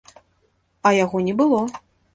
А яго не было.